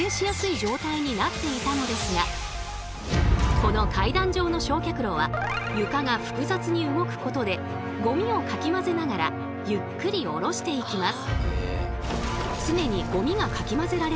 この階段状の焼却炉は床が複雑に動くことでゴミをかき混ぜながらゆっくり下ろしていきます。